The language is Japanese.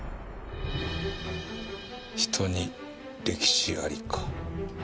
人に歴史ありか。